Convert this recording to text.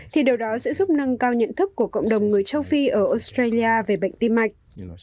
thì điều đó sẽ giúp nâng cao nhận thức của cộng đồng người châu phi ở australia về bệnh tim mạch